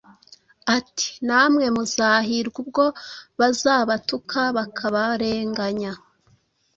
ati: “Namwe muzahirwa ubwo bazabatuka bakabarenganya,